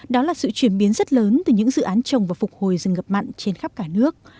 đó là sự chuyển biến rất lớn từ những dự án trồng và phục hồi rừng ngập mặn trên khắp cả nước